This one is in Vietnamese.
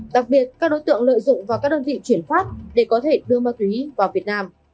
đặc biệt các đối tượng lợi dụng vào các đơn vị chuyển phát để có thể đưa ma túy vào việt nam